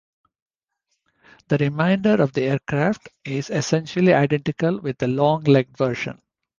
The remainder of the aircraft is essentially identical with the long-legged version.